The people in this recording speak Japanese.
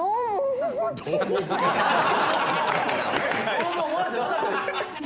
「どうも思われてなかった」